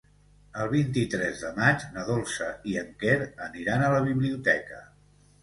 El vint-i-tres de maig na Dolça i en Quer aniran a la biblioteca.